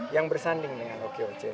yang bersanding dengan okoc